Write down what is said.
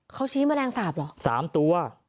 เขาชี้มะแรงสาบหรอ๓ตัว